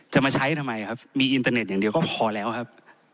จะมาใช้ทำไมครับมีอินเตอร์เน็ตอย่างเดียวก็พอแล้วครับ